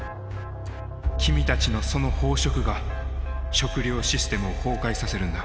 君たちのその飽食が食料システムを崩壊させるんだ。